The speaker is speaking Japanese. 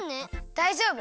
だいじょうぶ！